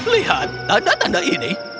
lihat tanda tanda ini